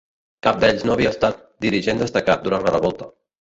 Cap d'ells no havia estat dirigent destacat durant la revolta.